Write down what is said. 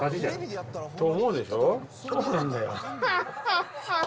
そうなんだよ。